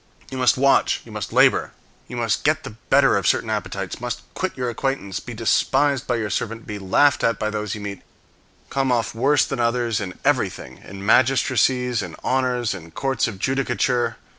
You must watch, you must labor, you must get the better of certain appetites, must quit your acquaintance, be despised by your servant, be laughed at by those you meet; come off worse than others in everything, in magistracies, in honors, in courts of judicature.